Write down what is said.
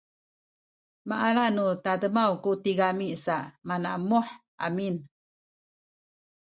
maala nu tademaw ku tigami sa manamuh amin